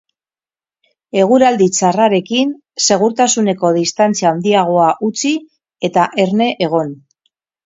Eguraldi txarrarekin, segurtasuneko distantzia handiagoa utzi eta erne egon.